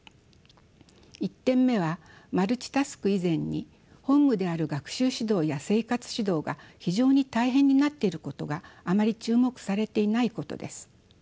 １点目はマルチタスク以前に本務である学習指導や生活指導が非常に大変になっていることがあまり注目されていないことです。